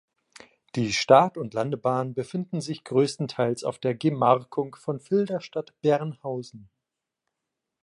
Die Start- und Landebahnen befinden sich größtenteils auf der Gemarkung von Filderstadt-Bernhausen.